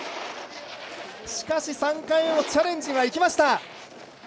しかし、３回目もチャレンジはいきました。